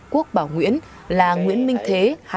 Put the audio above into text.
quốc bảo nguyễn là nguyễn minh thế